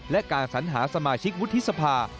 และการสัญหาสมาชิกวุฒิสภา